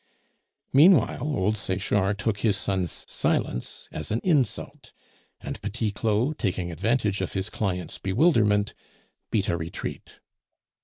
Meanwhile old Sechard took his son's silence as an insult, and Petit Claud, taking advantage of his client's bewilderment, beat a retreat.